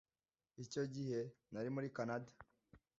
icyo gihe, nari muri kanada